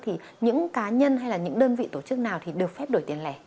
thì những cá nhân hay là những đơn vị tổ chức nào thì được phép đổi tiền lẻ